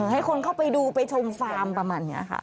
ให้คนเข้าไปดูไปชมฟาร์มประมาณนี้ค่ะ